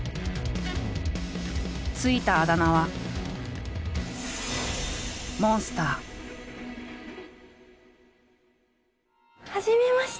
付いたあだ名ははじめまして。